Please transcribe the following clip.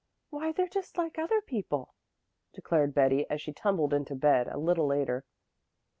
Why, they're just like other people," declared Betty, as she tumbled into bed a little later.